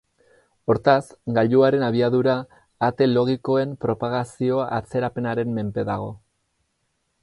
Hortaz, gailuaren abiadura ate logikoen propagazio-atzerapenaren menpe dago.